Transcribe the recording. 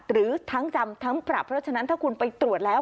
หรือทั้งจำทั้งปรับเพราะฉะนั้นถ้าคุณไปตรวจแล้ว